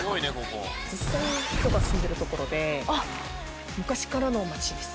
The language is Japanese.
実際に人が住んでる所で昔からの街です。